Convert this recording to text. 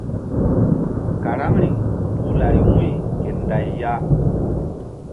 Karaŋri puh lari wu̧y ke nday ya.